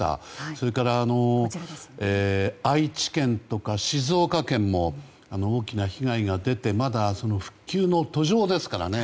そして愛知県とか静岡県も大きな被害が出てまだ復旧の途上ですからね。